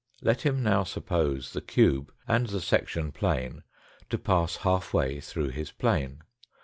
Let him now suppose the cube and the section plane to pass half way through his plane.